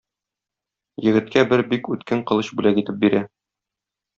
Егеткә бер бик үткен кылыч бүләк итеп бирә.